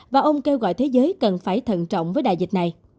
và ông kêu gọi thế giới cần phải thận trọng với đại dịch này